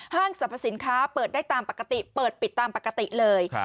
สรรพสินค้าเปิดได้ตามปกติเปิดปิดตามปกติเลย